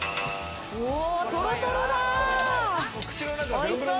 おいしそう。